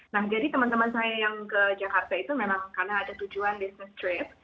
nah jadi teman teman saya yang ke jakarta itu memang karena ada tujuan business trip